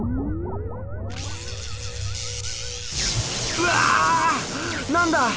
うわ！何だ！